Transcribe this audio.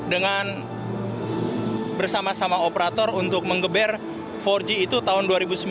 dengan bersama sama operator untuk mengeber empat g itu tahun dua ribu sembilan belas